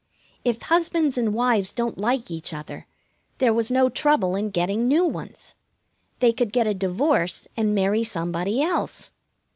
If husbands and wives didn't like each other, there was no trouble in getting new ones. They could get a divorce and marry somebody else.